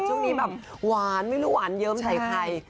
ช่วงนี้แบบหวานไม่รู้หวานเยิ้มใส่ใคร